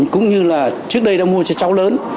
cũng như là trước đây đã mua cho cháu lớn